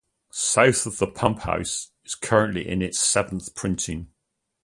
"South of the Pumphouse" is currently in its seventh printing.